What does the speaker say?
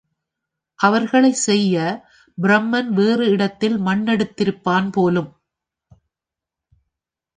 அவர்களைச் செய்ய பிரமன் வேறு இடத்தில் மண்ணெடுத்திருப்பான் போலும்!